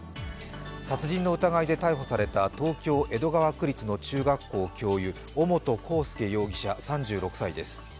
殺人の疑いで逮捕された東京・江戸川区立の中学校教諭尾本幸祐容疑者３６歳です。